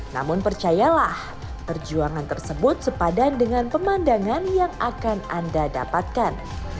namun percayalah perjuangan tersebut sepadan dengan pemandangan yang akan anda dapatkan